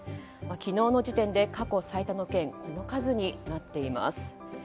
昨日の時点で過去最多の県がこの数になっています。